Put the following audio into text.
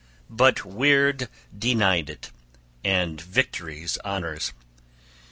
But Wyrd denied it, and victory's honors.